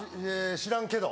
「知らんけど」。